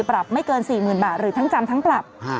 ปรับไม่เกิน๔๐๐๐บาทหรือทั้งจำทั้งปรับ